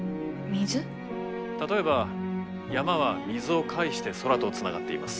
例えば山は水を介して空とつながっています。